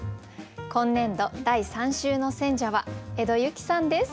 今年度第３週の選者は江戸雪さんです。